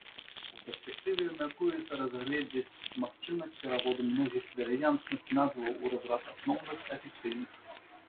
У перспектыве мяркуецца разгледзець магчымасць пераводу многіх варыянтных назваў у разрад асноўных, афіцыйных.